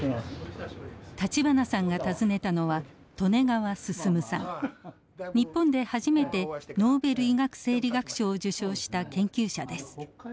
立花さんが訪ねたのは日本で初めてノーベル医学・生理学賞を受賞した研究者です。